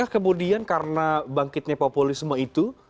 kemudian karena bangkitnya populisme itu